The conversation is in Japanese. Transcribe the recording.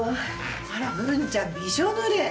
あら文ちゃんびしょぬれ。